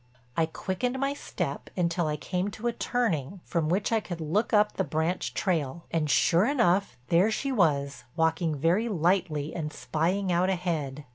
I quickened my step until I came to a turning from which I could look up the branch trail, and sure enough, there she was, walking very lightly and spying out ahead.